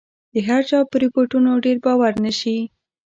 د هرچا په رپوټونو ډېر باور نه شي.